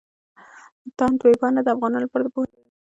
تاند ویبپاڼه د افغانانو لپاره د پوهې يو لوی مرکز دی.